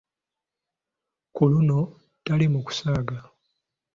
Ku luno tali mu kusaaga.